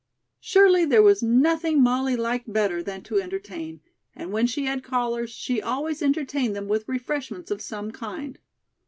Surely there was nothing Molly liked better than to entertain, and when she had callers, she always entertained them with refreshments of some kind.